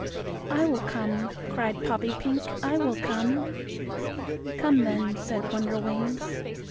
"I will come!" cried Poppypink. "I will come!" "Come then," said Wonderwings.